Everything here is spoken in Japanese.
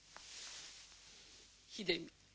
秀美。